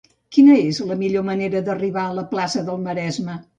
Quina és la millor manera d'arribar a la plaça del Maresme?